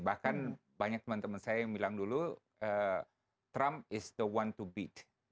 bahkan banyak teman teman saya yang bilang dulu trump adalah orang yang harus dipecat